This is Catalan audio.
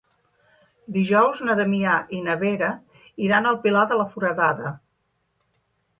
Dijous na Damià i na Vera iran al Pilar de la Foradada.